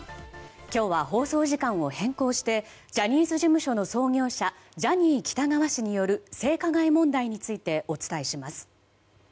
今日は放送時間を変更してジャニーズ事務所の創業者ジャニー喜多川氏による性加害問題についてお伝えします。